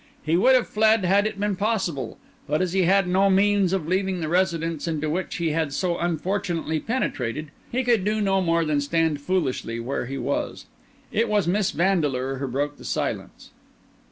He would have fled had it been possible; but as he had no means of leaving the residence into which he had so unfortunately penetrated, he could do no more than stand foolishly where he was. It was Miss Vandeleur who broke the silence.